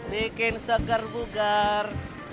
bikin seger bugar